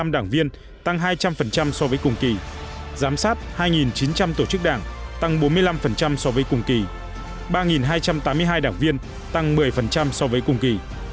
hai hai trăm sáu mươi năm đảng viên tăng hai trăm linh so với cùng kỳ giám sát hai chín trăm linh tổ chức đảng tăng bốn mươi năm so với cùng kỳ ba hai trăm tám mươi hai đảng viên tăng một mươi so với cùng kỳ